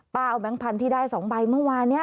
เอาแก๊งพันธุ์ที่ได้๒ใบเมื่อวานนี้